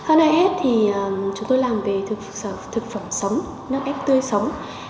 nước ép thì chúng tôi làm về thực phẩm sống nước ép tươi sống